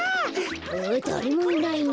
あっだれもいないな。